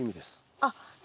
あっ。